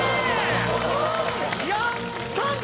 やったぜ！